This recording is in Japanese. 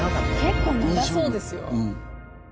結構長そうですよ。